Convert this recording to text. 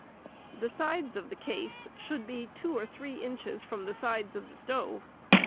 The sides of the case should be two or three inches from the sides of the stove.